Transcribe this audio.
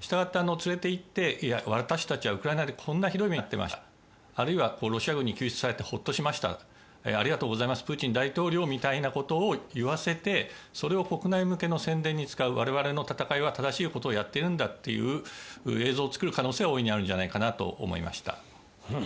したがって連れていって私たちはウクライナでこんなひどい目に遭っていましたあるいはロシア軍に救出されてほっとしましたありがとうございますプーチン大統領みたいなことを言わせてそれを国内向けの宣伝に使う我々の戦いは、正しいことをやっているんだという映像を作る可能性は大いにあるんじゃないかなと思いました。